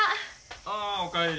ああお帰り。